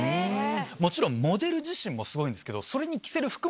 もちろんモデル自身もすごいんですけど。